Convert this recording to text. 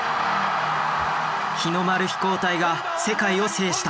日の丸飛行隊が世界を制した。